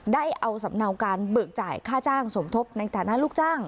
ได้เอาสำเนาการเบิกจ่ายค่าจ้างสมทบในฐานะลูกจ้าง